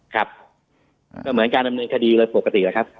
ครับก็เหมือนการดำเนินคดีปกติครับ